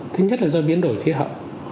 thứ nhất là do biến đổi khí hậu